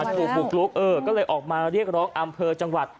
ถูกบุกลุกเออก็เลยออกมาเรียกร้องอำเภอจังหวัด